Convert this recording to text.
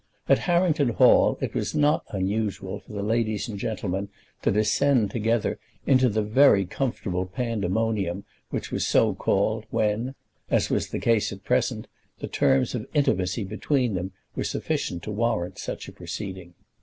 At Harrington Hall it was not unusual for the ladies and gentlemen to descend together into the very comfortable Pandemonium which was so called, when, as was the case at present, the terms of intimacy between them were sufficient to warrant such a proceeding.